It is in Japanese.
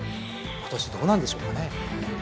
今年どうなんでしょうかね。